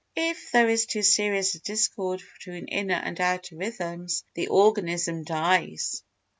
If there is too serious a discord between inner and outer rhythms the organism dies.